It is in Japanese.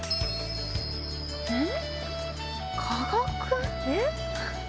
うん？